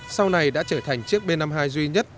sau này đã trở thành chiếc b năm mươi hai duy nhất